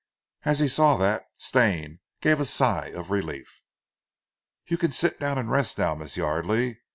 As he saw that, Stane gave a sigh of relief. "You can sit down and rest now, Miss Yardely.